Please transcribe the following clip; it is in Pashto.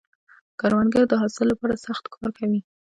کروندګر د حاصل له پاره سخت کار کوي